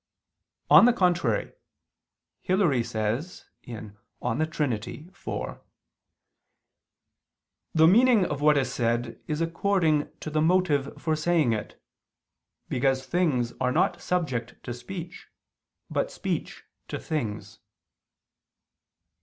On the contrary, Hilary says (De Trin. iv): "The meaning of what is said is according to the motive for saying it: because things are not subject to speech, but speech to things."